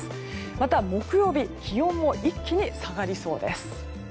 また、木曜日は気温も一気に下がりそうです。